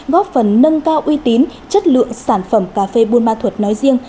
góp phần nâng cao uy tín chất lượng sản phẩm cà phê buôn ma thuật nói riêng